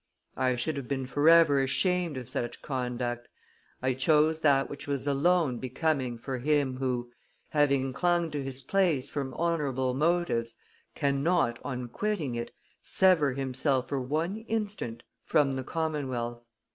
I should have been forever ashamed of such conduct; I chose that which was alone becoming for him who, having clung to his place from honorable motives, cannot, on quitting it, sever himself for one instant from the commonwealth."